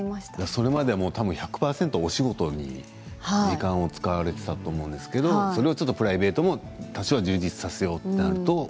それまでは１００％すべてお仕事に時間を使われていたと思うんですけどそれをプライベートを多少充実させようという